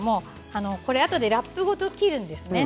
これ、あとでラップごと切るんですね。